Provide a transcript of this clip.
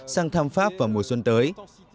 sang thăm pháp vào mùa xuân tới